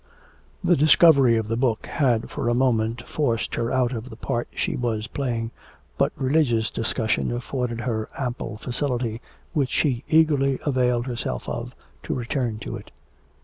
The discovery of the book had for a moment forced her out of the part she was playing, but religious discussion afforded her ample facility, which she eagerly availed herself of, to return to it.